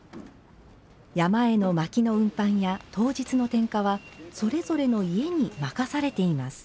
山へのまきの運搬や当日の点火はそれぞれの家に任されています。